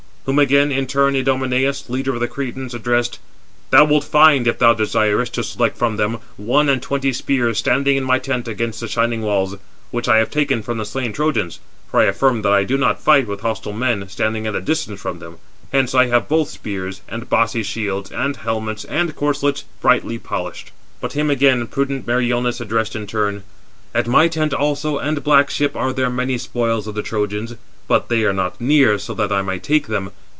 Whom again in turn Idomeneus, leader of the Cretans, addressed: "Thou wilt find, if thou desirest [to select from them], one and twenty spears standing in my tent against the shining walls, which I have taken from the slain Trojans; for I affirm that I do not fight with hostile men, standing at a distance from them. Hence I have both spears, and bossy shields, and helmets, and corslets, brightly polished." But him again prudent Meriones addressed in turn: "At my tent also and black ship are there many spoils of the Trojans; but they are not near, so that I might take them.